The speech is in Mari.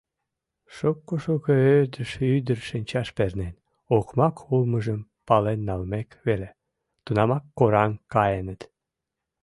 Шуко-шуко ӧрдыж ӱдыр шинчаш пернен, окмак улмыжым пален налмек веле, тунамак кораҥ каеныт.